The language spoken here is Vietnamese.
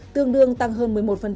tương đương tăng hơn một mươi một